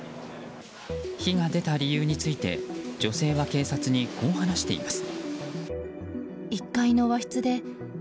火が出た理由について女性は警察にこう話しています。